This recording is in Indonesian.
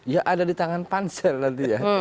ya ada di tangan pansel nanti ya